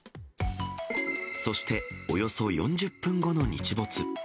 そしておよそ４０分後の日没。